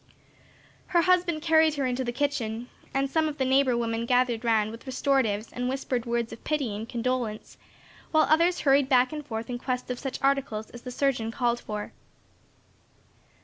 Her husband carried her into the kitchen, and some of the neighbor women gathered round with restoratives and whispered words of pity and condolence, while others hurried back and forth in quest of such articles as the surgeon called for.